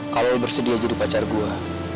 karil bersedia jadi pacar gue